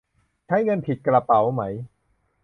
ใช้เงินผิดกระเป๋าไหม ?